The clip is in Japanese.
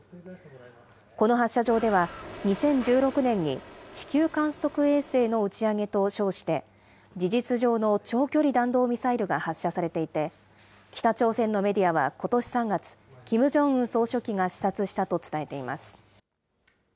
この発射場では２０１６年に、地球観測衛星の打ち上げと称して、事実上の長距離弾道ミサイルが発射されていて、北朝鮮のメディアはことし３月、キム・ジョンウン総書記が視察したと伝えています。